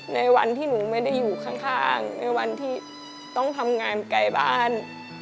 ในวันที่หนูไม่ได้อยู่ข้างในวันที่ต้องทำงานไกลบ้าน